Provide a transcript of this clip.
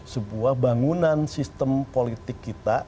sebuah bangunan sistem politik kita